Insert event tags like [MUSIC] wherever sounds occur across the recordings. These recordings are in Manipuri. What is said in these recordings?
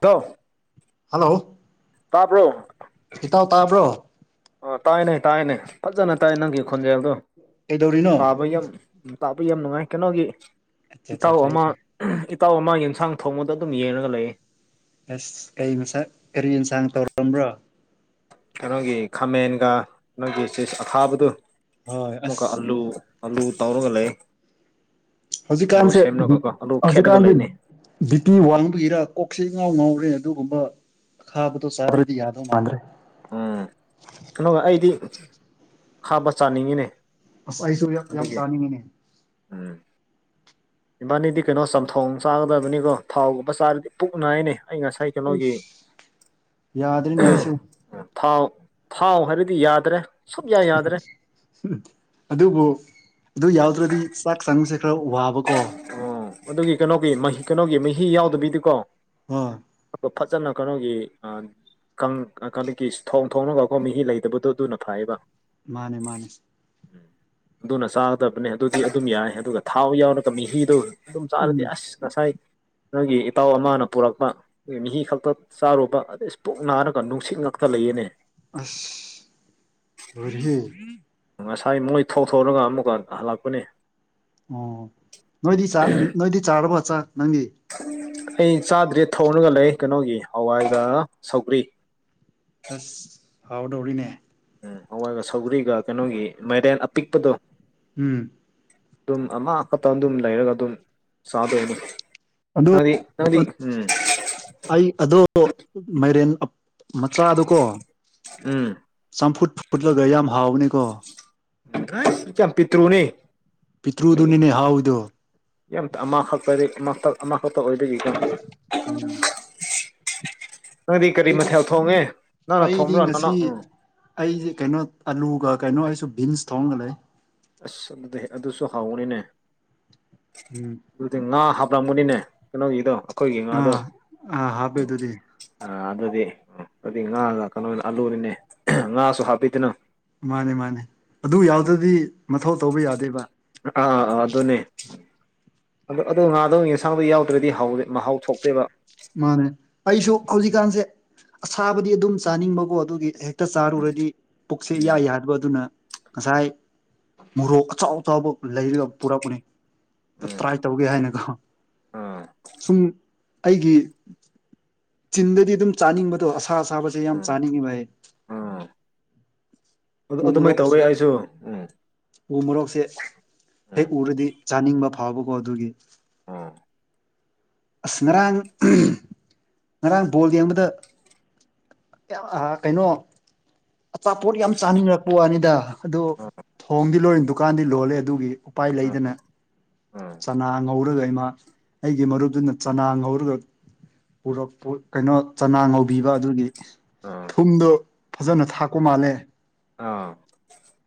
ꯇꯣ ꯍꯜꯂꯣ ꯇꯞ꯭ꯔꯣ ꯏꯇꯥꯎ ꯇꯥꯕ꯭ꯔꯣ ꯑ ꯇꯥꯏꯅꯦ ꯇꯥꯏꯅꯦ ꯐꯖꯅ ꯇꯥꯏ ꯅꯪꯒꯤ ꯈꯣꯟꯖꯦꯜꯗꯣ ꯀꯩꯗꯧꯔꯤꯅꯣ ꯇꯥꯕ ꯌꯥꯝ ꯇꯥꯕ ꯌꯥꯝ ꯅꯨꯡꯉꯥꯏ ꯀꯩꯅꯣꯒꯤ ꯑꯠꯆꯥ ꯑꯠꯆꯥ ꯏꯇꯥꯎ ꯐꯩ ꯑꯃ ꯐꯩ ꯑꯇꯥꯎ ꯑꯃ ꯌꯦꯟꯁꯥꯡ ꯊꯣꯡꯕꯗ ꯑꯗꯨꯝ ꯌꯦꯡꯉꯒ ꯂꯩꯌꯦ ꯑꯁ ꯀ ꯀꯔꯤ ꯌꯦꯟꯁꯥꯡ ꯇꯧꯔꯝꯕ꯭ꯔꯣ ꯀꯩꯅꯣꯒꯤ ꯈꯥꯃꯦꯟꯒ ꯅꯣꯏꯒꯤ ꯆ ꯑꯊꯥꯕꯗꯨ ꯍꯣꯏ ꯑꯁ ꯃꯈꯨꯀ ꯑꯂꯨ ꯑꯂꯨ ꯇꯧꯔꯒ ꯂꯩ ꯑꯂꯨ ꯍꯧꯖꯤꯛꯀꯥꯟꯁꯦ ꯁꯦꯝꯂꯒꯀꯣ ꯑꯂꯨ ꯈꯦꯠꯂꯒ ꯍꯧꯖꯤꯛꯀꯥꯟꯁꯤ ꯂꯩꯅꯤ ꯕꯤꯇꯤ ꯋꯥꯡꯕꯒꯤꯔꯥ ꯀꯣꯛꯁꯤ ꯉꯥꯎ ꯉꯥꯎꯔꯦ ꯑꯗꯨꯒꯨꯝꯕ ꯈꯥꯕꯗꯣ ꯆꯥꯕ꯭ꯔꯗꯤ ꯌꯥꯗꯧ ꯃꯥꯟꯗ꯭ꯔꯦ ꯍꯥꯥꯕ ꯆꯥꯅꯤꯡꯉꯤꯅꯦ ꯑꯁꯨ ꯌꯥꯝ ꯑꯗꯨꯒꯤ ꯁꯅꯤꯅꯦ ꯎꯝ ꯏꯕꯥꯅꯤꯗꯤ ꯀꯩꯅꯣ ꯆꯝꯊꯣꯡ ꯆꯥꯒꯗꯕꯅꯤꯀꯣ ꯊꯥꯎꯒꯨꯝꯕ ꯆꯥꯔꯗꯤ ꯄꯨꯛ ꯍꯥꯏꯅꯤ ꯑꯩ ꯉꯁꯥꯏ ꯀꯩꯅꯣꯒꯤ ꯑꯩꯁ ꯌꯥꯗ꯭ꯔꯦꯅꯦ ꯑꯩꯁꯨ ꯊꯥꯎ ꯊꯥꯎ ꯍꯥꯏꯕꯗꯤ ꯌꯥꯗ꯭ꯔꯦ ꯁꯨꯛꯌꯥ ꯌꯥꯗ꯭ꯔꯦ ꯑꯗꯨꯕꯨ ꯑꯗꯨ ꯌꯥꯎꯗ꯭ꯔꯗꯤ ꯆꯥꯛ ꯆꯪꯉꯨꯁꯦ ꯈꯔ ꯋꯥꯕꯀꯣ ꯑꯣ ꯑꯗꯨꯒꯤ ꯀꯩꯅꯣꯒꯤ ꯃꯍꯤ ꯀꯩꯅꯣꯒꯤ ꯃꯍꯤ ꯌꯥꯎꯗꯕꯤꯗꯤꯀꯣ ꯑꯥ ꯐꯖꯅ ꯀꯩꯅꯣꯒꯤ ꯀꯗꯒꯤ ꯊꯣꯡ ꯊꯣꯡꯅꯕ ꯑꯩꯈꯣꯏ ꯃꯤꯤ ꯂꯩꯗꯕꯗꯣ ꯑꯗꯨꯅ ꯊꯥꯏꯌꯦꯕ ꯃꯥꯅꯦ ꯃꯥꯅꯦ ꯎꯝ ꯑꯗꯨꯅ ꯆꯥꯒꯗꯕꯅꯦ ꯑꯗꯨꯗꯤ ꯑꯗꯨꯝ ꯌꯥꯏ ꯑꯗꯨꯒ ꯊꯥꯎ ꯌꯥꯎꯔꯒ ꯃꯤꯤꯗꯣ ꯑꯗꯨꯝ ꯆꯥꯂꯗꯤ ꯎꯝ ꯑꯁ ꯀꯁꯥꯏ ꯅꯣꯏꯒꯤ ꯏꯇꯥꯎ ꯑꯃꯅ ꯄꯨꯔꯛꯄ ꯅꯒꯤ ꯃꯤꯤ ꯈꯛꯇ ꯆꯥꯔꯨꯕ ꯑꯗꯩ ꯏꯁ ꯄꯨꯛ ꯅꯥꯔꯒ ꯅꯨꯡꯁꯤꯠ ꯉꯛꯇ ꯆ ꯂꯩꯌꯦꯅꯦ ꯑꯁ ꯔꯤꯍꯤ ꯉꯁꯥꯏ ꯃꯣꯏ ꯊꯣꯛꯊꯣꯔꯔꯒ ꯑꯃꯨꯛꯀ ꯍꯜꯂꯛꯄꯅꯦ ꯑꯣ ꯅꯗꯤ ꯆꯥ ꯅꯗꯤ ꯆꯥꯔꯕ ꯆ ꯑꯩ ꯆꯥꯗ꯭ꯔꯦ ꯊꯧꯔꯒ ꯂꯩ ꯀꯩꯅꯣꯒꯤ ꯍꯋꯥꯏꯒ ꯁꯧꯒ꯭ꯔꯤ ꯑꯁ ꯍꯥꯎꯗꯧꯔꯤꯅꯦ ꯎꯝ ꯍꯋꯥꯏꯒ ꯁꯧꯒ꯭ꯔꯤꯒ ꯀꯩꯅꯣꯒꯤ ꯃꯥꯏꯔꯦꯟ ꯑꯄꯤꯛꯄꯗꯣ ꯎꯝ ꯑꯗꯨꯝ ꯑꯃꯈꯛꯇ ꯑꯗꯨꯝ ꯂꯩꯔꯒ ꯑꯗꯨꯝ ꯆꯥꯗꯣꯛꯑ ꯑꯗꯨ ꯑ ꯑꯩ ꯑꯗꯣ ꯃꯥꯏꯔꯦꯟ ꯃꯆꯥꯗꯨꯀꯣ ꯎꯝ ꯌꯥꯝ ꯐꯨꯠ ꯐꯨꯠꯂꯒ ꯌꯥꯝ ꯍꯥꯎꯕꯅꯤꯀꯣ ꯀ ꯄꯤꯇ꯭ꯔꯨꯅꯤ ꯄꯤꯇ꯭ꯔꯨꯗꯨꯅꯤꯅꯦ ꯍꯥꯎꯋꯤꯗꯣ ꯌꯥꯝꯈꯛꯛꯇꯗꯤ ꯇ ꯑꯃꯥ ꯈꯠꯇ ꯑꯣꯏꯗ ꯎꯝ ꯑꯩꯗꯤ ꯅꯪꯅ ꯑꯩꯗꯤ ꯊꯣꯡꯕ꯭ꯔꯣ ꯅꯅ ꯉꯁꯤ ꯎꯝ ꯑꯩꯁ ꯀꯩꯅꯣ ꯑꯂꯨꯒ ꯀꯩꯅꯣ ꯑꯩꯁꯨ ꯕꯤꯟꯁ ꯊꯣꯡꯒ ꯂꯩ ꯑꯁ ꯑꯗꯨꯗꯤ ꯑꯗꯨꯁꯨ ꯍꯥꯎꯅꯤꯅꯦ ꯎꯝ ꯑꯗꯨꯗꯤ ꯉꯥ ꯍꯥ ꯕ꯭ꯔꯥꯝꯃꯨꯅꯤꯅꯦ ꯀꯩꯅꯣꯒꯤꯗꯣ ꯑꯩꯈꯣꯏꯒꯤ ꯉꯥꯗꯣ ꯑꯥ ꯑꯥ ꯍꯥꯕꯦ ꯑꯗꯨꯗꯤ ꯑ ꯑꯗꯨꯗꯤ ꯑꯗꯨꯗꯤ ꯉꯥꯒ ꯀꯩꯅꯣꯅ ꯑꯂꯨꯔꯤꯅꯦ ꯉꯥꯁꯨ ꯍꯥꯞꯄꯤꯗꯅꯪ ꯃꯥꯅꯦ ꯃꯥꯅꯦ ꯑꯗꯨ ꯌꯥꯎꯗ꯭ꯔꯗꯤ ꯃꯊꯧ ꯇꯧꯕ ꯌꯥꯗꯦꯕ ꯑꯥ ꯑꯗꯨ ꯑꯗꯨꯅꯦ ꯑꯗꯨ ꯑꯗꯨ ꯉꯥꯗꯣ ꯌꯦꯟꯁꯥꯡꯗ ꯌꯥꯎꯗ꯭ꯔꯗꯤꯦ ꯃꯍꯥꯎ ꯊꯣꯛꯇꯦꯕ ꯃꯥꯅꯦ ꯑꯩꯁꯨ ꯍꯧꯖꯤꯛꯀꯥꯟꯁꯦ ꯑꯁꯥꯕꯗꯤ ꯑꯗꯨꯝ ꯆꯥꯅꯤꯡꯕꯀꯣ ꯑꯗꯨꯒꯤ ꯍꯦꯛ ꯍꯛꯇ ꯆꯥꯔꯨꯔꯗꯤ ꯄꯨꯛꯁꯦ ꯌꯥ ꯎꯝ ꯌꯥꯗꯕ ꯑꯗꯨꯅ ꯉꯁꯥꯏ ꯃꯣꯔꯣꯛ ꯑꯆꯥꯎ ꯑꯆꯕ ꯂꯩꯔꯒ ꯄꯨꯔꯛꯄꯅꯤ ꯎꯝ ꯇ꯭ꯔꯥꯏ ꯇꯧꯒꯦ ꯍꯥꯏꯅꯒ ꯑꯥ ꯁꯨꯝ ꯑꯩꯒꯤ ꯆꯤꯟꯗꯗꯤ ꯑꯗꯨꯝ ꯆꯥꯅꯤꯡꯕꯗꯣ ꯑꯁꯥ ꯑꯁꯥꯕꯁꯦ ꯌꯥꯝ ꯎꯝ ꯆꯥꯅꯤꯡꯉꯤꯕ ꯍꯥꯏ ꯑꯥ ꯑꯗꯨ ꯑꯗꯨꯃꯥꯏꯅ ꯇꯧꯋꯤ ꯑꯩꯁꯨ ꯎꯝ ꯎ ꯃꯣꯔꯣꯛꯁꯦ ꯎꯝ ꯍꯦꯛ ꯎꯔꯗꯤ ꯆꯥꯅꯤꯡꯕ ꯐꯥꯎꯕꯀꯣ ꯑꯗꯨꯒꯤ ꯑꯥ ꯑꯁ ꯉꯔꯥꯡ ꯉꯔꯥꯡ ꯕꯣꯜ ꯌꯦꯡꯕꯗ ꯀꯩꯅꯣ ꯑꯆꯥꯄꯣꯠ ꯌꯥꯝ ꯆꯥꯅꯤꯡꯉꯔꯛꯄ ꯋꯥꯅꯤꯗ ꯑꯗꯨ ꯊꯣꯡꯗꯤ ꯂꯣꯏꯔ ꯗꯨꯀꯥꯟꯗꯤ ꯂꯣꯜꯂꯦ ꯑꯗꯨꯒꯤ ꯎꯄꯥꯏ ꯎꯝ ꯂꯩꯗꯅ ꯎꯝ ꯎꯝ ꯆꯅꯥ ꯉꯧꯔꯒ ꯏꯃ ꯑꯩꯒꯤ ꯃꯔꯨꯞꯗꯨꯅ ꯆꯅꯥ ꯉꯧꯔꯒ ꯄꯨꯔꯛꯄ ꯀꯩꯅꯣ ꯆꯅꯥ ꯉꯧꯕꯤꯕ ꯑꯗꯨꯒꯤ ꯎꯝ ꯊꯨꯝꯗꯣ ꯐꯖꯅ ꯊꯥꯛꯄ ꯃꯥꯜꯂꯦ ꯑꯥ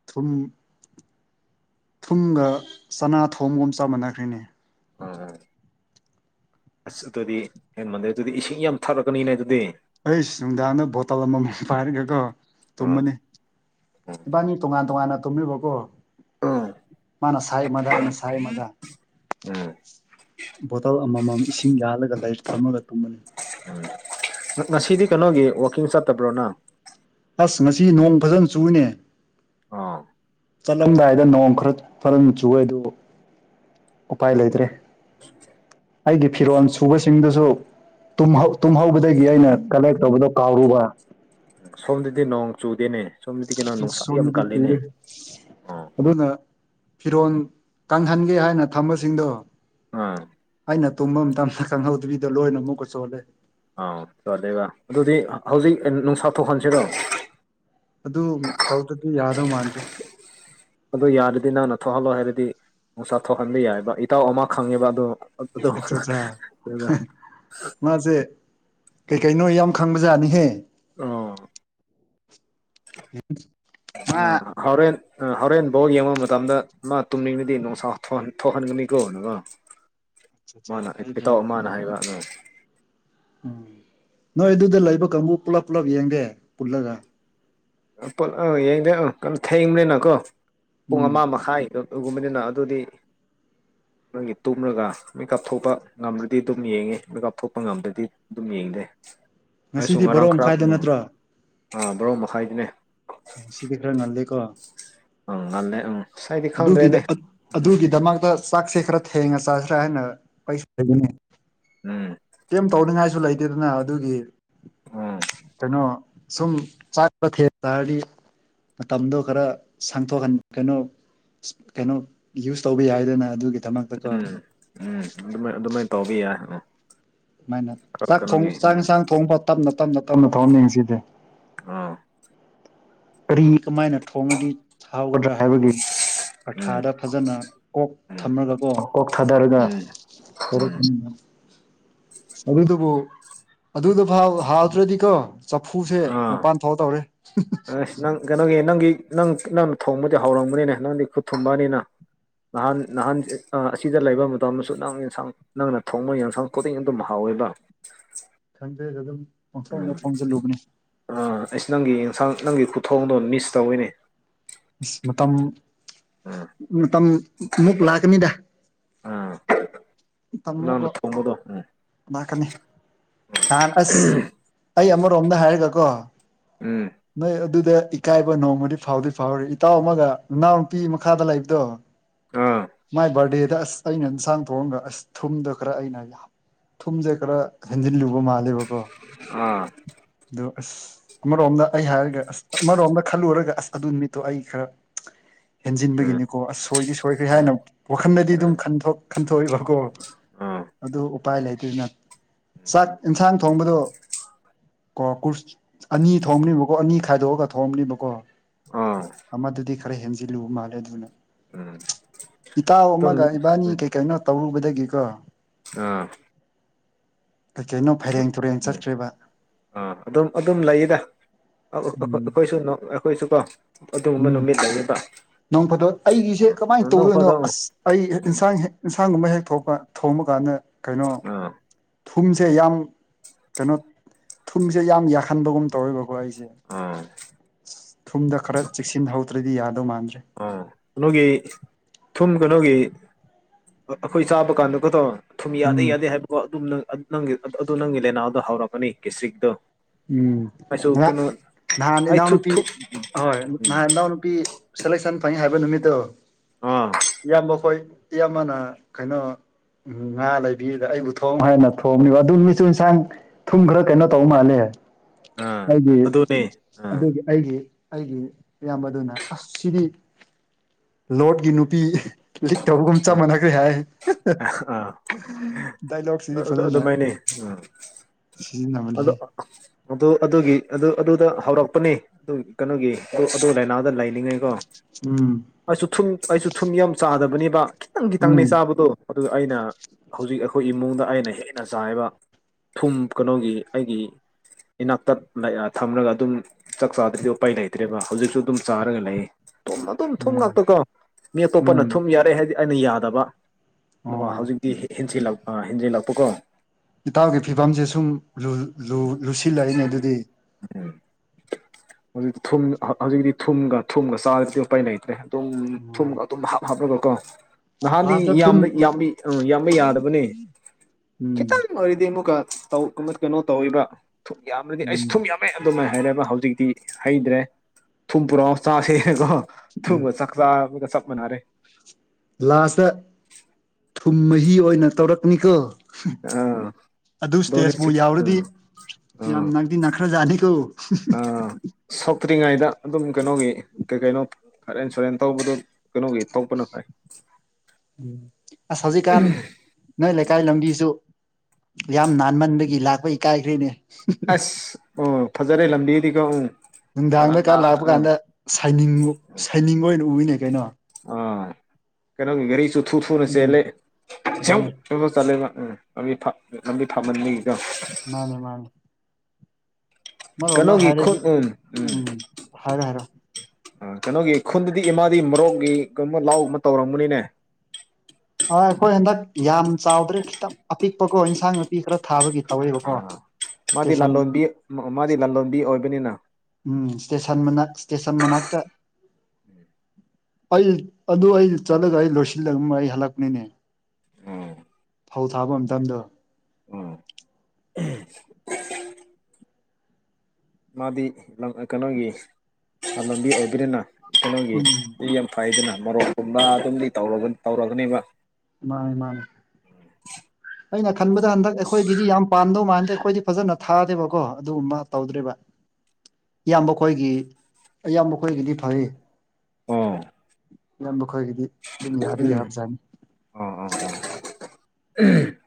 ꯊꯨꯝ ꯊꯨꯝꯒ ꯆꯅꯥ ꯊꯣꯡꯒꯨꯝ ꯆꯥꯃꯟꯅꯈ꯭ꯔꯤꯅꯦ ꯎꯝ ꯑꯁ ꯑꯗꯨꯗꯤ ꯍꯦꯟ ꯃꯥꯟꯗꯩ ꯑꯗꯨꯗꯤ ꯏꯁꯤꯡ ꯌꯥꯝ ꯊꯥꯔꯛꯀꯅꯤꯅꯦ ꯑꯗꯨꯗꯤ ꯑꯩꯁ ꯅꯨꯡꯗꯥꯡꯗ ꯕꯣꯇꯜ ꯑꯃꯃꯝ ꯄꯥꯏꯔꯒꯦꯀꯣ ꯎꯝ ꯇꯨꯝꯕꯅꯤ ꯎꯝ ꯏꯕꯥꯅꯤ ꯇꯣꯉꯥꯟ ꯇꯣꯉꯥꯟꯅ ꯇꯨꯝꯃꯤꯕꯀꯣ ꯃꯥꯅ ꯁꯥꯏ ꯃꯗꯥꯅ ꯁꯥꯏ ꯃꯗꯥ ꯎꯝ ꯕꯣꯇꯜ ꯑꯃꯃꯝ ꯏꯁꯤꯡ ꯌꯥꯜꯂꯒ ꯂꯥꯏꯔꯤ ꯊꯝꯃꯒ ꯇꯨꯝꯕꯅꯤ ꯎꯝ ꯉꯁꯤꯗꯤ ꯀꯩꯅꯣꯒꯤ ꯋꯥꯛꯀꯤꯡ ꯆꯠꯇꯕ꯭ꯔꯣꯅ ꯑꯁ ꯉꯁꯤ ꯅꯣꯡ ꯐꯖꯅ ꯆꯨꯏꯅꯦ ꯑꯥ ꯆꯠꯂꯝꯗꯥꯏꯗ ꯅꯣꯡ ꯈꯔ ꯐꯔ ꯆꯨꯒꯦ ꯑꯗꯨ ꯎꯄꯥꯏ ꯂꯩꯇ꯭ꯔꯦ ꯑꯩꯒꯤ ꯐꯤꯔꯣꯜ ꯁꯨꯕꯁꯤꯡꯗꯁꯨ ꯇꯨꯝꯍꯧꯕꯗꯒꯤ ꯑꯩꯅ ꯀꯂꯦꯛ ꯇꯧꯕꯗꯣ ꯀꯥꯎꯔꯨꯕ ꯁꯣꯝꯗꯗꯤ ꯅꯣꯡ ꯆꯨꯗꯦꯅꯦ ꯁꯣꯝꯗꯗꯤ ꯀꯩꯅꯣ ꯅꯨꯡꯁꯥ ꯌꯥꯝ ꯁꯣꯗꯤ ꯇ ꯀꯜꯂꯤꯅꯦ ꯑꯥ ꯑꯗꯨꯗꯅ ꯐꯤꯔꯣꯜ ꯀꯪꯍꯟꯒꯦ ꯍꯥꯏꯅ ꯊꯝꯕꯁꯤꯡꯗꯣ ꯑꯝ ꯑꯩꯅ ꯇꯨꯝꯕ ꯃꯇꯝꯗ ꯈꯪꯍꯧꯗꯕꯤꯗꯣ ꯂꯣꯏꯅ ꯑꯃꯨꯛꯀ ꯆꯣꯍꯜꯂꯦ ꯑꯥꯎ ꯆꯗꯦꯕ ꯑꯗꯨꯗꯤ ꯍꯧꯖꯤꯛ ꯅꯨꯡꯁꯥ ꯊꯣꯛꯣꯛꯍꯟꯁꯤꯔꯣ ꯑꯗꯨ ꯇꯧꯗꯗꯤ ꯌꯥꯗꯧ ꯃꯥꯟꯗ꯭ꯔꯦ ꯑꯗꯨ ꯌꯥꯔꯗꯤ ꯅꯪꯅ ꯊꯣꯛꯍꯜꯂꯣ ꯍꯥꯏꯔꯗꯤ ꯅꯨꯡꯁꯥ ꯊꯣꯛꯍꯟꯕ ꯌꯥꯏꯕ ꯏꯇꯥꯎ ꯑꯃ ꯈꯪꯉꯦꯕ ꯑꯗꯨꯣ ꯑꯆꯥ ꯑꯆꯥ ꯃꯥꯁꯦ ꯀꯩꯀꯩꯅ ꯅꯣ ꯌꯥꯝ ꯈꯪꯕꯖꯥꯠꯅꯤꯍꯦ ꯑꯣ ꯃꯥ ꯑ ꯍꯧꯔꯦꯟ ꯍꯣꯔꯦꯟ ꯕꯥꯎ ꯌꯦꯡꯕ ꯃꯇꯝꯗ ꯃꯥ ꯇꯨꯝꯅꯤꯡꯉꯗꯤ ꯅꯨꯡꯁꯥ ꯊꯣꯛꯍꯟꯒꯅꯤꯀꯣ ꯅ ꯃꯥꯅ ꯏꯇꯥꯎ ꯃꯥꯅ ꯍꯥꯏꯕ ꯑ ꯎꯝ ꯅꯣꯏ ꯑꯗꯨꯗ ꯂꯩꯕ ꯀꯥꯡꯕꯨ ꯄꯨꯂꯞ ꯄꯨꯜꯂꯞ ꯌꯦꯡꯒꯦ ꯄꯨꯜꯂꯒ ꯣꯠ ꯑ ꯌꯦꯡꯗꯦ ꯑ ꯀꯩꯅꯝ ꯊꯦꯡꯕꯅꯤꯅꯀꯣ ꯄꯨꯡ ꯎꯝ ꯑꯃ ꯃꯈꯥꯏꯗꯣ ꯑꯗꯨꯒꯨꯝꯕꯅꯤꯅ ꯑꯗꯨꯗꯤ [UNINTELLIGIBLE] ꯅꯣꯏꯒꯤ ꯇꯨꯝꯂꯒ ꯃꯦꯀꯑꯞ ꯊꯣꯛꯄ ꯉꯝꯗ꯭ꯔꯗꯤ ꯑꯗꯨꯝ ꯌꯦꯡꯉꯦ ꯃꯦꯀꯑꯞ ꯊꯣꯛꯄ ꯉꯝꯗ꯭ꯔꯗꯤ ꯑꯗꯨꯝ ꯌꯦꯡꯗꯦ ꯑꯩꯁꯨ ꯉꯁꯤꯗꯤ ꯕꯣꯔꯣ ꯉꯔꯥꯡ ꯈꯔ ꯃꯈꯥꯏꯗ ꯎꯝ ꯅꯠꯇ꯭ꯔꯣ ꯑꯥ ꯕꯣꯔꯣ ꯃꯈꯥꯏꯗꯤꯅꯦ ꯁꯤꯗꯤ ꯈꯔ ꯉꯜꯂꯦꯀꯣ ꯎꯝ ꯅꯂꯦ ꯎꯝ ꯑꯗꯨꯒꯤꯗ ꯑꯗꯨꯒꯤꯗꯃꯛꯇ ꯆꯥꯛꯁꯦ ꯈꯔ ꯊꯦꯡꯉ ꯆꯥꯛ ꯍꯥꯏꯅ ꯄꯩꯁꯥ ꯂꯩꯅꯦ ꯎꯝ ꯀꯩꯝ ꯇꯧꯅꯤꯡꯉꯥꯏꯁꯨ ꯂꯩꯇꯦꯗꯅ ꯑꯗꯨꯒꯤ ꯎꯝ ꯀꯩꯅꯣ ꯁꯨꯝ ꯆꯥꯛꯄ ꯊꯦꯡ ꯇꯥꯔꯗꯤ ꯃꯇꯝꯗꯣ ꯈꯔ ꯁꯥꯡꯊꯣꯛꯍꯟ ꯀꯩꯅꯣ ꯀꯩꯅꯣ ꯌꯨꯁ ꯇꯧꯕ ꯌꯥꯏꯗꯅ ꯑꯗꯨꯒꯤ ꯎꯝ ꯎꯝ ꯑꯗꯨꯃꯥꯏ ꯑꯗꯨꯃꯥꯏꯅ ꯇꯧꯕꯕ ꯌꯥꯏ ꯁꯨꯃꯥꯏꯅ ꯈꯔ ꯆ ꯆꯥꯛ ꯀꯩꯅꯣꯒꯤ ꯎꯝ ꯏꯟꯁꯥꯡ ꯊꯣꯡ ꯇꯞꯅ ꯇꯞꯅ ꯇꯞꯅ ꯊꯣꯡ ꯌꯦꯁꯤꯗꯤ ꯑꯥ ꯀꯔꯤ ꯀꯃꯥꯏꯅ ꯊꯣꯡꯉꯗꯤ ꯊꯥꯎꯒꯗ꯭ꯔꯥ ꯍꯥꯏꯕꯒꯤ ꯎꯝ ꯄꯔꯊꯥꯗ ꯐꯖꯅ ꯀꯣꯛ ꯎꯝ ꯊꯝꯃꯒ ꯀꯣ ꯀꯣꯛ ꯊꯥꯗꯔꯒ ꯎꯝ ꯍꯔ ꯎꯝ ꯑꯗꯨꯗꯨꯕꯨ ꯑꯗꯨꯗ ꯍꯥꯎꯗ꯭ꯔꯗꯤꯀꯣ ꯆꯐꯨꯁꯦ ꯑꯥ ꯃꯄꯥꯟ ꯐꯥꯎ ꯇꯧꯔꯦ ꯑꯁ ꯅꯪ ꯀꯩꯅꯣꯒꯤ ꯅꯪꯒꯤ ꯅꯪ ꯅꯪ ꯊꯣꯡꯕꯗꯤ ꯍꯧꯔꯕꯅꯤꯅꯦ ꯅꯪꯗꯤ ꯈꯨꯠ ꯊꯨꯝꯕꯅꯤꯅ ꯅꯍꯥꯟ ꯅꯍꯥꯟ ꯑꯁꯤꯗ ꯂꯩꯕ ꯃꯇꯝꯗꯁꯨ ꯅꯪ ꯌꯦꯟꯁꯥꯡ ꯅꯪꯅ ꯊꯣꯡꯕ ꯌꯦꯟꯁꯥꯡ ꯈꯨꯗꯤꯡ ꯑꯗꯨꯝ ꯍꯥꯎꯋꯤ ꯑꯣꯏꯕ ꯊꯪꯗꯦ ꯑꯗꯨ ꯑꯗꯨꯝ ꯄꯣꯡꯊꯣꯡꯗ ꯎꯝ ꯊꯣꯡꯖꯤꯜꯂꯨꯕꯅꯤ ꯑꯥ ꯑꯩꯁꯨ ꯅꯪꯒꯤ ꯌꯦꯟꯁꯥꯡ ꯅꯪꯒꯤ ꯈꯨꯊꯣꯡꯗꯣ ꯃꯤꯁ ꯇꯧꯋꯤꯅꯦ ꯃ ꯎꯝ ꯃꯇꯝ ꯃ ꯃꯨꯛ ꯂꯥꯛꯀꯅꯤꯗꯥ ꯎꯝ ꯅꯪꯅ ꯊꯣꯡꯕꯗꯣ ꯎꯝ ꯂꯥꯛꯀꯅꯤ ꯅꯍꯥꯟ ꯑꯁ ꯑꯩ ꯑꯃꯔꯣꯝꯗ ꯍꯥꯏꯔꯒꯀꯣ ꯎꯝ ꯎꯝ ꯅ ꯑꯗꯨ ꯑꯗꯨ ꯗ ꯏꯀꯥꯏꯕ ꯅꯣꯡꯃꯗꯤ ꯐꯥꯎꯗꯤ ꯐꯥꯎꯔꯤ ꯏꯇꯥꯎ ꯑꯃꯒ ꯏꯅꯥꯎꯅꯨꯄꯤ ꯃꯈꯥꯗ ꯂꯩꯕꯗꯣ ꯑꯥ ꯃꯥꯏ ꯕꯥꯔꯗꯦꯗ ꯑꯁ ꯑꯩꯅ ꯏꯟꯁꯥꯡ ꯊꯣꯡꯑꯒ ꯑꯁ ꯊꯨꯝꯗ ꯈꯔ ꯑꯩꯅ ꯊꯨꯝꯁꯦ ꯈꯔ ꯍꯟꯖꯤꯜꯂꯨꯕ ꯃꯥꯜꯂꯦꯕꯀꯣ ꯑꯥ ꯑꯗꯨ ꯑꯁ ꯑꯃꯔꯣꯝꯗ ꯑꯩ ꯍꯥꯏꯔꯒ ꯑꯁ ꯑꯃꯔꯣꯝꯗ ꯈꯜꯂꯨꯔꯒ ꯑꯁ ꯑꯗꯨ ꯅꯨꯃꯤꯠꯇꯣ ꯑꯩ ꯈꯔ ꯎꯝ ꯍꯦꯟꯖꯤꯟꯕꯒꯤꯅꯤꯀꯣ ꯑꯁ ꯁꯣꯏꯗꯤ ꯁꯣꯏꯈ꯭ꯔꯦ ꯍꯥꯏꯅ ꯋꯥꯈꯜꯗꯗꯤ ꯑꯗꯨꯝ ꯎꯝ ꯈꯟꯊꯣꯛꯏꯕꯀꯣ ꯎꯝ ꯑꯥ ꯑꯗꯨ ꯎꯄꯥꯏ ꯂꯩꯇꯗꯅ ꯆꯥꯛ ꯌꯦꯟꯁꯥꯡ ꯊꯣꯡꯕꯗꯣ ꯀ ꯀꯨꯔꯁ ꯑꯅꯤ ꯊꯣꯑꯝꯅꯦꯕꯀꯣ ꯑꯅꯤ ꯈꯥꯏꯗꯣꯛꯑꯒ ꯊꯣꯑꯝꯅꯦꯕꯀꯣ ꯑꯥ ꯑꯃꯗꯨꯗꯤ ꯈꯔ ꯍꯦꯟꯖꯤꯜꯂꯨ ꯃꯥꯜꯂꯦ ꯑꯗꯨꯅ ꯎꯝ ꯏꯇꯥꯎ ꯑꯗꯨꯝ ꯑꯃꯒ ꯏꯕꯥꯅꯤ ꯎꯝ ꯀꯩ ꯀꯩꯅꯣ ꯇꯧꯔꯨꯕꯗꯒꯤꯀꯣ ꯑꯥ ꯀꯩꯀꯩꯅꯣ ꯐꯩꯔꯦꯡ ꯇꯨꯔꯦꯡ ꯎꯝ ꯆꯈ꯭ꯔꯤꯕ ꯑꯥ ꯑꯗꯨꯝ ꯑꯗꯨꯝ ꯂꯩꯗ ꯎꯝ ꯑꯩꯈꯣꯏꯁꯨ ꯑꯩꯈꯣꯏꯁꯨ ꯀꯣ ꯑꯗꯨꯒꯨꯝꯕ ꯎꯝ ꯅꯨꯃꯤꯠ ꯂꯩ ꯅꯣꯡ ꯐꯇꯣꯠ ꯑꯩꯒꯤꯁꯦ ꯀꯃꯥꯏꯅ ꯇꯧꯗꯣꯏꯅꯣ ꯑꯁ ꯑꯩ ꯏꯟꯁꯥꯡꯥꯡ ꯑꯗꯨꯒꯒꯨꯝꯕ ꯍꯦꯛ ꯊꯣꯛꯄ ꯊꯣꯡꯕ ꯀꯥꯟꯗ ꯀꯩꯅꯣ ꯑꯥ ꯊꯨꯝꯁꯦ ꯌꯥꯝ ꯀꯩꯅꯣ ꯊꯨꯝꯁꯦ ꯌꯥꯝ ꯌꯥꯍꯟꯕꯒꯨꯝ ꯇꯧꯋꯦꯕꯀꯣ ꯑꯩꯦ ꯑꯥ ꯊꯨꯝꯗ ꯈꯔ ꯆꯦꯛꯁꯤꯟꯍꯧꯗ꯭ꯔꯗꯤ ꯌꯥꯗꯧ ꯃꯥꯟꯗꯦ ꯑꯣ ꯅꯒꯤ ꯊꯨꯝꯨꯝ ꯀ ꯅꯣꯒꯤ ꯑꯩꯈꯣꯏ ꯆꯥꯕ ꯀꯥꯟꯗꯒ ꯇꯧ ꯊꯨꯝ ꯌꯥꯗꯦ ꯎꯝ ꯌꯥꯗꯦ ꯍꯥꯏꯕꯀꯣ ꯑꯗꯨꯝꯅꯪ ꯅꯪ ꯑꯗꯨ ꯅꯪꯒꯤ ꯂꯦꯅꯥꯗꯣ ꯍꯧꯔꯛꯀꯅꯤ ꯀꯦꯁꯔꯤꯛꯇꯣ ꯎꯝ ꯑ ꯑꯩ ꯅꯎ ꯊꯨ ꯅꯨꯄꯤ ꯊꯨ ꯍꯣꯏ ꯎꯝ ꯅꯎ ꯅꯨꯄꯤ ꯁꯂꯦꯛꯁꯟ ꯐꯪ ꯍꯥꯏꯕ ꯅꯨꯃꯤꯠꯇꯣ ꯑꯥ ꯏꯌꯥꯝꯕ ꯍꯣꯏ ꯏꯌꯥꯝꯕꯅ ꯀꯩꯅꯣ ꯎꯝ ꯉꯥ ꯂꯩꯕꯤꯌꯦꯗ ꯑꯩꯕꯨ ꯊꯣꯡ ꯍꯥꯏꯅ ꯊꯣꯡꯝꯅꯦꯕ ꯑꯗꯨ ꯃꯤꯆꯨ ꯏꯟꯁꯥꯡ ꯊꯨꯝ ꯈꯔ ꯀꯩꯅꯣ ꯇꯧ ꯃꯥꯜꯂꯦ ꯑꯥ ꯑꯩꯒꯤ ꯑꯗꯨꯅꯦ ꯑꯥ ꯑꯗꯨꯒꯤ ꯑꯩꯒꯤ ꯑꯩꯒꯤ ꯏꯌꯥꯝꯕ ꯑꯗꯨꯅ ꯑꯁ ꯁꯤꯗꯤ ꯂꯣꯠꯀꯤ ꯅꯨꯄꯤ ꯂꯤꯛ ꯇꯧꯕꯒꯨꯝ ꯆꯞ ꯃꯥꯟꯅꯈ꯭ꯔꯦ ꯍꯥꯏ ꯑꯥ ꯗꯥꯏꯂꯥꯛꯁꯤꯗꯤ ꯐꯖꯅ ꯑꯗꯣ ꯁꯤꯖꯤꯟꯅꯕꯅꯦꯍꯦ ꯑꯗꯨ ꯑꯗꯨꯒꯤ ꯑꯗꯨ ꯑꯗꯨꯗ ꯍꯧꯔꯛꯄꯅꯤ ꯑꯗꯨ ꯀꯩꯅꯣꯒꯤ ꯑꯗꯨ ꯑꯗꯨ ꯂꯥꯏꯅꯥꯗ ꯂꯩꯅꯤ ꯅꯤꯡꯉꯩꯀꯣ ꯎꯝ ꯑꯩꯁꯨ ꯊꯨꯝ ꯑꯩꯁꯨ ꯊꯨꯝ ꯌꯥꯝ ꯆꯥꯗꯕꯅꯦꯕ ꯈꯤꯇꯪ ꯈꯤꯇꯪꯅꯦ ꯎꯝ ꯆꯥꯕꯗꯣ ꯑꯗꯨꯒ ꯑꯩꯅ ꯍꯧꯖꯤꯛ ꯑꯩꯈꯣꯏ ꯏꯃꯨꯡꯗ ꯑꯩꯅ ꯍꯦꯟꯅ ꯆꯥꯏꯕ ꯊꯨꯝ ꯀꯩꯅꯣꯒꯤ ꯍꯥꯏꯒꯤ ꯏꯅꯥꯛꯇ ꯊꯝꯔꯒ ꯑꯗꯨꯝ ꯆꯥꯛ ꯆꯥꯗ꯭ꯔꯗꯤ ꯎꯄꯥꯏ ꯂꯩꯇ꯭ꯔꯦꯕ ꯍꯧꯖꯤꯛꯁꯨ ꯑꯗꯨꯝ ꯆꯥꯔꯒ ꯂꯩ ꯊꯨꯝꯅ ꯑꯗꯨꯨꯝ ꯊꯨꯝ ꯎꯝ ꯉꯥꯛꯇꯀꯣ ꯃꯤ ꯑꯇꯣꯞꯄꯅ ꯎꯝ ꯊꯨꯝ ꯌꯥꯔꯦ ꯍꯥꯏꯗꯤ ꯑꯩꯅ ꯌꯥꯗꯕ ꯑꯣ ꯍꯧꯖꯤꯛꯇꯤ ꯍꯦꯟꯂꯛ ꯍꯦꯟꯖꯤꯜꯂꯛꯄꯀꯣ ꯏꯇꯥꯎꯒꯤ ꯐꯤꯕꯝꯁꯦ ꯁꯨꯝ ꯂꯨꯁꯤꯜꯂꯛꯏꯅꯦ ꯑꯗꯨꯗꯤ ꯍꯧꯖꯤꯛꯇ ꯊꯨꯝ ꯍꯧꯖꯤꯛꯇꯤ ꯊꯨꯝꯒ ꯊꯨꯝꯒ ꯆꯥꯔꯗꯤ ꯎꯄꯩ ꯂꯩꯩꯇ꯭ꯔꯦ ꯑꯗꯨꯝ ꯊꯨꯝ ꯑꯣ ꯑꯗꯨꯝ ꯍꯥꯞꯂꯒꯣ ꯀꯣ ꯅꯍꯥꯟꯗꯤ ꯂꯥꯁꯇ ꯊꯨꯝ ꯏꯕ ꯌꯥꯝꯕꯤ ꯑ ꯌꯥꯝꯕ ꯌꯥꯗꯕꯅꯦ ꯎꯝ ꯈꯤꯇꯪ ꯑꯣꯏꯔꯗꯤ ꯑꯃꯨꯛꯀ ꯀꯩꯅꯣ ꯇꯧꯕ ꯊꯨꯝ ꯌꯥꯝ꯭ꯔꯗꯤ ꯑꯩꯁ ꯎꯝ ꯊꯨꯝ ꯌꯥꯝꯃꯦ ꯑꯗꯨꯝꯃꯦ ꯍꯩꯔꯕ ꯍꯧꯖꯤꯛꯇꯤ ꯍꯩꯇ꯭ꯔꯦ ꯊꯨꯝ ꯄꯨꯔꯛꯑꯣ ꯆꯥꯁꯦꯔꯦꯀꯣ ꯊꯨꯡ ꯆꯥꯛ ꯆ ꯀ ꯆꯞ ꯃꯅꯔꯦ ꯂꯥꯁꯇ ꯊꯨꯝ ꯃꯍꯤ ꯑꯣꯏꯅ ꯇꯧꯔꯛꯅꯤꯀꯣ ꯑꯥ ꯑꯗꯨ ꯑꯗꯨꯅꯦ ꯏꯁꯇꯦꯖꯄꯨ ꯁꯤꯛꯁ ꯌꯥꯎꯔꯗꯤ ꯑꯥ ꯑꯥ ꯌꯥꯝ ꯅꯪꯗꯤ ꯅꯛꯈ꯭ꯔꯖꯥꯠꯅꯤꯀꯣ ꯁꯛ ꯐꯠꯇ꯭ꯔꯤꯉꯩꯗ ꯑꯗꯨꯝ ꯀꯩꯅꯣꯒꯤ ꯀꯩ ꯀꯩꯅꯣ ꯏꯟꯁꯨꯔꯦꯟꯁ ꯇꯧꯕꯗꯨ ꯀꯩꯅꯣꯒꯤ ꯇꯄꯅ ꯐꯥꯏ ꯎꯝ ꯑꯁ ꯍꯧꯖꯤꯛꯀꯥꯟ ꯅꯣꯏ ꯂꯩꯀꯥꯏ ꯂꯝꯕꯤꯁꯨ ꯌꯥꯝ ꯅꯥꯟꯃꯟꯕꯒꯤ ꯂꯥꯛꯄꯩ ꯀꯥꯏꯈ꯭ꯔꯦꯅꯦ ꯑꯁ ꯑꯣ ꯐꯖꯔꯦ ꯂꯝꯕꯤꯗꯤꯀꯣ ꯎꯝ ꯐꯖꯅ ꯅꯨꯡꯗꯥꯡꯗꯀꯥ ꯅꯥꯟꯅ ꯂꯥꯛꯄ ꯑꯥ ꯀꯥꯟꯗ ꯁꯅꯤꯡ ꯁꯥꯏꯅꯤꯡ ꯑꯣꯏꯅ ꯎꯏꯅꯦ ꯀꯩꯅꯣ ꯑꯥ ꯀꯩꯅꯣꯒꯤ ꯒꯥꯔꯤꯁꯨ ꯊꯨ ꯊꯨꯅ ꯎꯝ ꯆꯦꯜꯂꯦ ꯑꯗꯨꯅꯦ ꯀꯣ ꯆꯠꯂꯦꯕ ꯎꯝ ꯂꯝꯕꯤ ꯂꯝꯕꯤ ꯊꯝꯃꯟꯅꯤꯡ ꯃꯥꯅꯦ ꯃꯥꯅꯦ ꯑꯃꯔꯣꯝꯗ ꯀꯩꯅꯣꯒꯤ ꯈꯨꯠ ꯍꯥꯏꯔꯗꯤ ꯎꯝ ꯎꯝ ꯍꯥꯏꯔꯣ ꯍꯥꯏꯔꯣ ꯎꯝ ꯀꯩꯅꯣꯒꯤ ꯈꯨꯟꯗꯗꯤ ꯏꯃꯥꯗꯤ ꯃꯣꯔꯣꯛꯒꯤ ꯀꯩꯅꯕ ꯂꯥꯎ ꯑꯃ ꯇꯧꯔꯝꯕꯅꯤꯅꯦ ꯑ ꯑꯩꯈꯣꯏ ꯍꯟꯗꯛ ꯌꯥꯝ ꯆꯥꯎꯗ꯭ꯔꯦ ꯈꯤꯇꯪ ꯑꯄꯤꯛꯄꯀꯣ ꯏꯟꯁꯥꯡ ꯅꯥꯄꯤ ꯈꯔ ꯊꯥꯕꯒꯤꯣ ꯇꯧꯋꯦꯕꯀꯣ ꯃꯥꯗꯤ ꯁꯇꯦꯁꯟ ꯂꯂꯣꯟꯕꯤ ꯃꯥꯗꯤ ꯂꯂꯣꯟꯕꯤ ꯑꯣꯏꯕꯅꯤꯅ ꯎꯝ ꯁꯇꯦꯁꯟ ꯃ ꯆꯁꯟ ꯃꯅꯥꯛꯇ ꯎꯝ ꯑꯩ ꯑꯗꯨ ꯑꯩ ꯆꯠꯂꯒ ꯑꯩ ꯂꯣꯏꯁꯤꯜꯂꯝ ꯑꯩ ꯍꯜꯂꯛꯄꯅꯤꯅꯦ ꯐꯧ ꯊꯥꯕ ꯃꯇꯝꯗ ꯃꯥꯗꯤ ꯀꯩꯅꯣꯒꯤ ꯂꯝꯕꯤ ꯑꯣꯏꯕꯅꯤꯅ ꯀꯩꯅꯣꯒꯤ ꯎꯝ ꯌꯥꯝ ꯐꯩꯗꯅ ꯃꯔꯣꯔꯣꯛꯀꯨꯝꯕ ꯑꯗꯨꯝꯗꯤ ꯇ ꯇꯧꯔꯒꯅꯦꯕ ꯃꯥꯅꯦ ꯃꯥꯅꯦ ꯑꯩꯅ ꯈꯟꯕꯗ ꯍꯟꯗꯛ ꯑꯩꯈꯣꯏꯒꯤꯗꯤ ꯌꯥꯝ ꯄꯥꯝꯗꯧ ꯃꯥꯟꯗꯦ ꯑꯩꯈꯣꯏꯗꯤ ꯐꯖꯅ ꯊꯥꯗꯦꯕꯀꯣ ꯑꯗꯨꯒꯨꯝꯕ ꯇꯧꯗ꯭ꯔꯦꯔꯤꯕ ꯏꯌꯥꯝꯕ ꯑꯩ ꯈꯣꯏꯒꯤ ꯑꯌꯥꯝꯕ ꯈꯣꯏꯒꯤꯗꯤ ꯐꯪꯉꯤ ꯑꯥ ꯌꯥꯝ ꯃꯈꯣꯏꯒꯤꯗꯤ ꯑꯗꯨꯝ ꯌꯥꯗꯤ ꯌꯥꯕꯖꯥꯅꯤ ꯎꯝ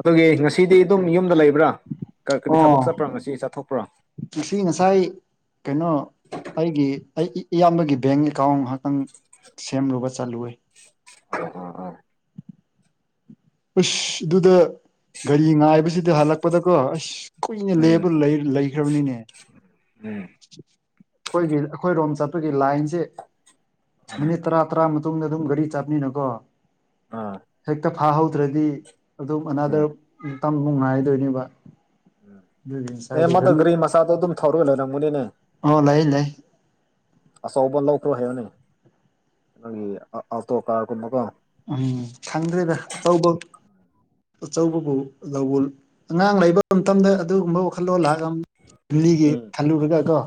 ꯑꯗꯨꯒꯤ ꯉꯁꯤꯗꯤ ꯑꯗꯨꯝ ꯌꯨꯝꯗ ꯂꯩꯕ꯭ꯔꯥ ꯀꯕꯤ ꯊꯕꯛ ꯆꯠꯄ꯭ꯔꯥ ꯉꯁꯤꯗꯤ ꯆꯠꯊꯣꯛꯄ꯭ꯔꯥ ꯁꯤ ꯉꯁꯥꯏ ꯀꯩꯅꯣ ꯑꯩꯒꯤ ꯑꯩ ꯏꯌꯥꯝꯕꯒꯤ ꯕꯦꯡ ꯑꯦꯀꯥꯎꯟ ꯉꯍꯥꯛꯇꯪ ꯁꯦꯝꯂꯨꯕ ꯆꯠꯂꯨꯏ ꯑꯣ ꯑꯁ ꯑꯗꯨꯗ ꯒꯥꯔꯤ ꯉꯥꯏꯕꯁꯤꯗꯤ ꯍꯜꯂꯛꯄꯗꯀꯣ ꯑꯁ ꯀꯨꯏꯅꯦ ꯎꯝ ꯂꯩꯕ ꯂꯩꯈ꯭ꯔꯕꯅꯤꯅꯦ ꯎꯝ ꯑꯩꯈꯣꯏꯒꯤ ꯑꯩꯈꯣꯏꯔꯣꯝ ꯆꯠꯄꯒꯤ ꯂꯥꯏꯟꯁꯦ ꯃꯤꯅꯤꯠ ꯇꯔꯥ ꯇꯔꯥ ꯃꯇꯨꯡꯗ ꯑꯗꯨꯝ ꯒꯥꯔꯤ ꯆꯠꯅꯤꯅꯀꯣ ꯑꯥ ꯍꯦꯛꯇ ꯐꯥꯍꯧꯗ꯭ꯔꯗꯤ ꯑꯗꯨꯝ ꯑꯅꯥꯗ ꯎꯝ ꯑꯃꯨꯇꯪ ꯅꯨꯡ ꯉꯥꯏꯗꯣꯏꯅꯦꯕ ꯎꯝ ꯑꯗꯨꯒꯤ ꯅ ꯉꯁꯥꯏꯗ ꯃꯗ ꯒꯥꯔꯤ ꯒꯔꯤ ꯃꯆꯥꯗꯣ ꯑꯗꯨꯝ ꯊꯧꯔ ꯂꯣꯏꯔꯝꯒꯅꯤꯅꯦ ꯑꯣ ꯂꯩ ꯂꯩ ꯑꯆꯧꯕ ꯂꯧꯈ꯭ꯔꯣ ꯍꯥꯏꯕꯅꯤ ꯑꯩꯈꯣꯏꯒꯤ ꯑꯣꯜꯇꯣ ꯀꯥꯔꯒꯨꯝꯕꯀꯣ ꯎꯝ ꯈꯪꯗ꯭ꯔꯦꯗ ꯑꯆꯧꯕꯧ ꯑꯆꯧꯕꯕꯨ ꯂꯧꯕꯜ ꯑꯉꯥꯡ ꯂꯩꯕ ꯃꯇꯝꯗ ꯑꯗꯨꯒꯨꯝꯕ ꯋꯥꯈꯜꯂꯣꯟꯣꯜꯂꯥꯛꯑꯒ ꯂꯤꯒꯤ ꯎꯝ ꯈꯜꯂꯨꯔꯒꯀꯣ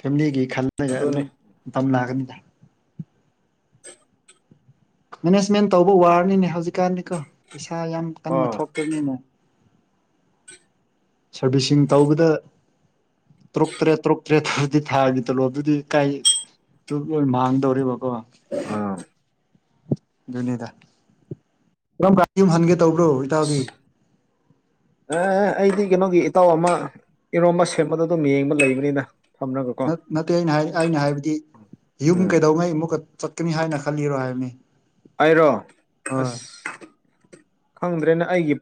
ꯐꯦꯃꯤꯂꯤꯒꯤ ꯈꯜꯂꯒ ꯑꯗꯨꯅꯦ ꯑꯗꯨꯝ ꯃꯇꯝ ꯂꯥꯛꯒꯅꯤꯗ ꯃꯦꯅꯦꯖꯃꯦꯟ ꯇꯧꯕ ꯋꯥꯔꯅꯤꯅꯦ ꯍꯧꯖꯤꯛꯀꯥꯟꯗꯤꯀꯣ ꯄꯩꯁꯥ ꯌꯥꯝ ꯀꯟꯕ ꯑꯥ ꯊꯣꯛꯇꯕꯅꯤꯅꯦ ꯁꯔꯚꯁꯤꯡ ꯇꯧꯕꯗ ꯇꯣꯔꯛꯇ꯭ꯔꯦ ꯇꯣꯔꯛꯇ꯭ꯔꯦ ꯑꯗꯨꯗꯤ ꯊꯥꯒꯤ ꯇꯂꯣꯞꯗꯨꯗꯤ ꯀꯥꯏ ꯂꯣꯏ ꯃꯥꯡꯗꯧꯔꯤꯕ ꯑꯥ ꯑꯗꯨꯅꯦꯗ ꯀꯔꯝ ꯀ ꯌꯨꯝ ꯍꯟꯒꯦ ꯇꯧꯕ꯭ꯔꯣ ꯏꯇꯥꯎꯗꯤ ꯑꯩꯗꯤ ꯀꯩꯅꯣꯒꯤ ꯏꯇꯥꯎ ꯑꯃ ꯏꯔꯣꯝꯕ ꯁꯦꯝꯕꯗ ꯑꯗꯨꯝ ꯌꯦꯡꯕ ꯂꯩꯕꯅꯤꯅ ꯊꯝꯂꯒꯀꯣ ꯅꯠꯇꯦ ꯑꯩꯅ ꯍꯥꯏ ꯑꯩꯅ ꯍꯥꯏꯕꯗꯤ ꯌꯨꯝ ꯎꯝ ꯀꯩꯗꯧꯉꯩ ꯑꯃꯨꯛꯀ ꯆꯠꯀꯅꯤ ꯍꯥꯏꯅ ꯈꯜꯂꯤꯔꯣ ꯍꯥꯏꯕꯅꯤ ꯍꯥꯏꯔꯣ ꯍꯣꯏ ꯑꯁ ꯈꯪꯗ꯭ꯔꯦꯅ ꯑꯩꯒꯤ